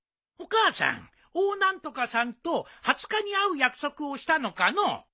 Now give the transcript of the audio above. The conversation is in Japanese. お母さん大なんとかさんと２０日に会う約束をしたのかのう？